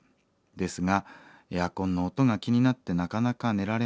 ですがエアコンの音が気になってなかなか寝られません。